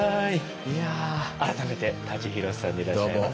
いやぁ改めて舘ひろしさんでいらっしゃいます。